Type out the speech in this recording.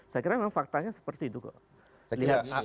saya kira memang faktanya seperti itu kok